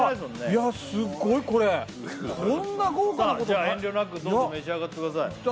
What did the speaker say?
いやすごいこれこんな豪華なことさあじゃあ遠慮なくどうぞ召し上がってください